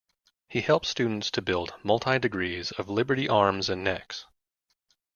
He helped students to build multi-degrees of liberty arms and necks.